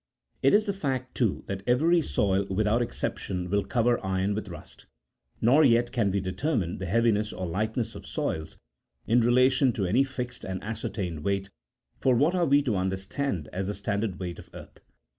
It is the fact, too, that every35 soil, without exception, will cover iron with rust. Nor yet can we determine 36 the heaviness or lightness of soils in relation to any fixed and as certained weight: for what are we to understand as the standard weight of earth